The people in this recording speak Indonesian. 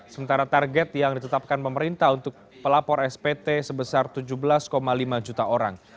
sementara target yang ditetapkan pemerintah untuk pelapor spt sebesar tujuh belas lima juta orang